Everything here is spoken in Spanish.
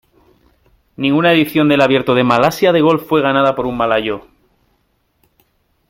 Ninguna edición del Abierto de Malasia de Golf fue ganada por un malayo.